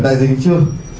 đại dịch chưa